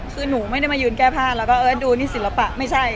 คือหนูไม่ได้มายืนแก้ผ้าแล้วก็ดูนี่ศิลปะไม่ใช่